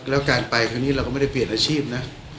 แล้วการไปครั้งนี้เราก็ไม่ได้เปลี่ยนอาชีพนะ